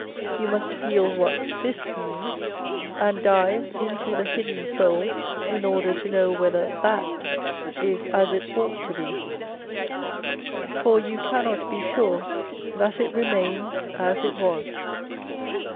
You must feel what this means, and dive into the hidden soul, in order to know whether that is as it ought to be ; for you cannot be sure that it remains as it was.